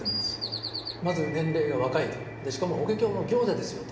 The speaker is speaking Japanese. まず年齢が若いとしかも「法華経の行者」ですよと。